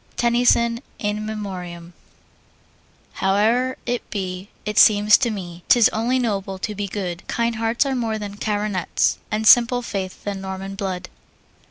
TENNYSON, In Memoriam. Howe'er it be, it seems to me, 'Tis only noble to be good. Kind hearts are more than coronets, And simple faith than Norman blood.